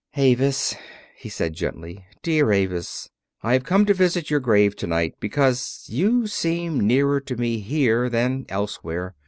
"Avis," he said gently, "dear Avis, I have come to visit your grave tonight because you seem nearer to me here than elsewhere.